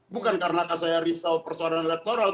bukan karena saya risau persoalan elektoral